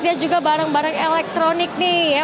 dan juga barang barang elektronik nih ya